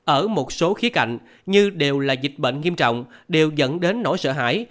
ở một số khía cạnh như đều là dịch bệnh nghiêm trọng đều dẫn đến nỗi sợ hãi